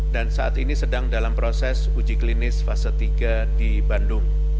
dan saat ini sedang dalam proses uji klinis fase tiga di bandung